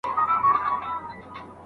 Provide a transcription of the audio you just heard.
تاسي په خپلو غاښونو مسواک وهئ.